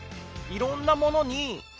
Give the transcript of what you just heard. いろんなものに。